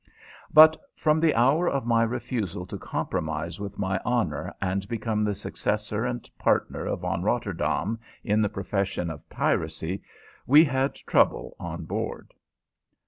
But from the hour of my refusal to compromise with my honor and become the successor and partner of Von Rotterdaam in the profession of piracy we had trouble on board.